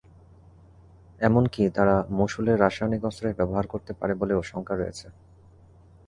এমনকি তারা মসুলে রাসায়নিক অস্ত্রের ব্যবহার করতে পারে বলেও শঙ্কা রয়েছে।